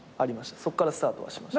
そっからスタートはしました。